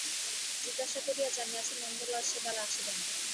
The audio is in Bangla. জিজ্ঞাসা করিয়া জানিয়াছে, নন্দলাল সে বেলা আসিবে না।